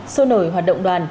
số nổi hoạt động đoàn